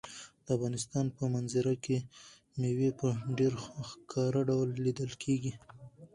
د افغانستان په منظره کې مېوې په ډېر ښکاره ډول لیدل کېږي.